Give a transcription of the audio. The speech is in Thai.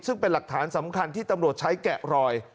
ซึ่งเป็นหลักฐานสำคัญที่ตำรวจใช้แกะรอย